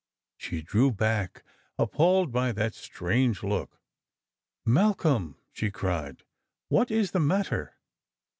She drew back, appalled by that strange look. " Malcolm !" she cried, " what is the matter ?"